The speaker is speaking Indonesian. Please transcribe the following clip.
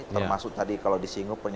termasuk tadi kalau disinggungkan ini